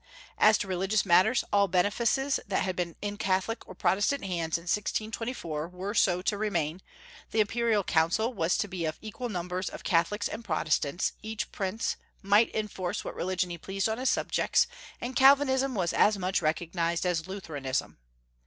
As to religious matters, all benefices that had been in Catholic or Protestant hands in 1624 were so to remain, the Imperial Council was to be of equal numbers of Catholics and Protestants, each prince might enforce what religion he pleased on his subjects, and Calvinism was as much recognized as Lutheranism.